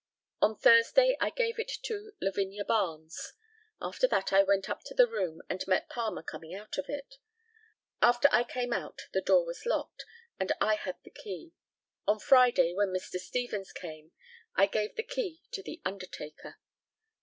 On Thursday I gave it to Lavinia Barnes. After that I went up to the room and met Palmer coming out of it. After I came out the door was locked, and I had the key. On Friday, when Mr. Stevens came, I gave the key to the undertaker.